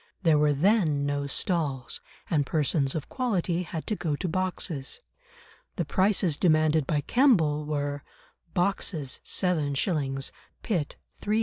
There were then no stalls, and persons of "quality" had to go to boxes. The prices demanded by Kemble were: boxes 7s.; pit 3s.